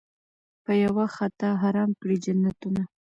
په یوه خطا حرام کړي جنتونه